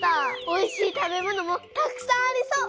おいしい食べ物もたくさんありそう。